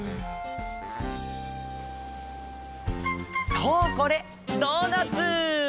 そうこれドーナツ！